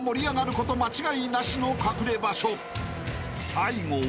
［最後は］